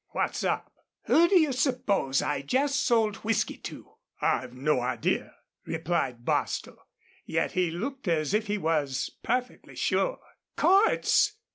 "What's up?" "Who do you suppose I jest sold whisky to?" "I've no idea," replied Bostil. Yet he looked as if he was perfectly sure. "Cordts!